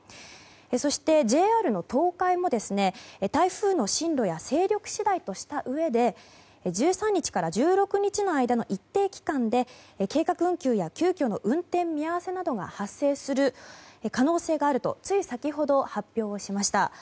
そして、ＪＲの東海も台風の進路や勢力次第としたうえで１３日から１６日の間の一定期間で計画運休や急きょの運転見合わせなどが発生する可能性があるとつい先ほど発表をしました。